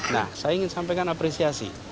nah saya ingin sampaikan apresiasi